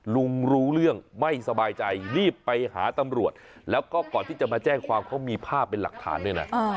รู้เรื่องไม่สบายใจรีบไปหาตำรวจแล้วก็ก่อนที่จะมาแจ้งความเขามีภาพเป็นหลักฐานด้วยนะ